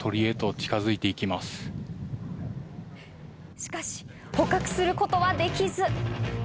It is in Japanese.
しかし、捕獲することはできず。